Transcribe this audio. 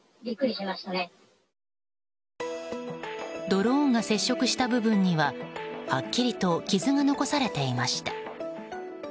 ドローンが接触した部分にははっきりと傷が残されていました。